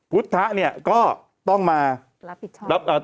พุทธภาพเนี่ยก็ต้องมา